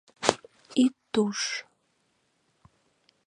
— Ит туж...